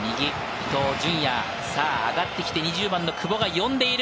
伊東純也、上がってきて久保が呼んでいる。